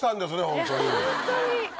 ホントに！